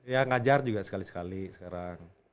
ya ngajar juga sekali sekali sekarang